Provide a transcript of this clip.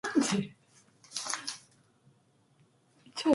이는 하나님이 그 창조하시며 만드시던 모든 일을 마치시고 이 날에 안식하셨음이더라